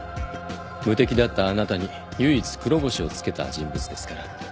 無敵だったあなたに唯一黒星をつけた人物ですから。